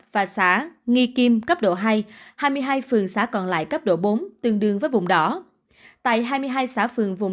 và xã nghi kim cấp độ hai hai mươi hai phường xã còn lại cấp độ bốn tương đương với vùng đỏ tại hai mươi hai xã phường vùng